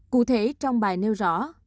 cụ thể trong bài nêu rõ